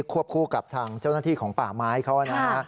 วบคู่กับทางเจ้าหน้าที่ของป่าไม้เขานะฮะ